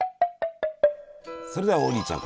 それでは王林ちゃん